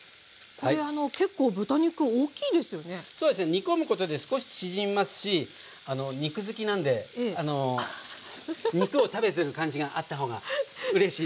煮込むことで少し縮みますし肉好きなんで肉を食べてる感じがあった方がうれしいです。